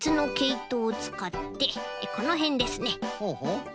ほう！